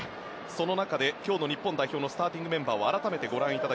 その中で今日の日本代表のスターティングメンバーです。